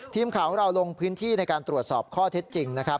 ทีมข่าวของเราลงพื้นที่ในการตรวจสอบข้อเท็จจริงนะครับ